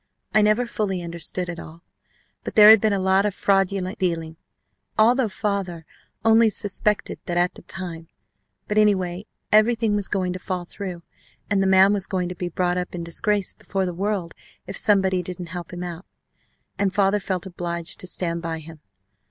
I never fully understood it all, but there had been a lot of fraudulent dealing, although father only suspected that at the time, but anyway, everything was going to fall through and the man was going to be brought up in disgrace before the world if somebody didn't help him out. And father felt obliged to stand by him.